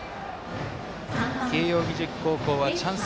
慶応義塾高校はチャンス